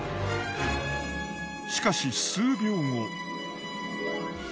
しかし数秒後。